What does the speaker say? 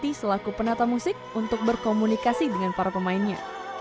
tidak ada yang berlaku penata musik untuk berkomunikasi dengan para pemainnya